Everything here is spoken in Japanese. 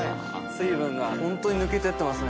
水分がホントに抜けてってますね。